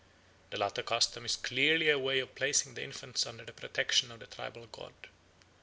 The latter custom is clearly a way of placing the infants under the protection of the tribal god.